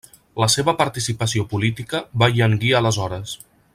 La seva participació política va llanguir aleshores.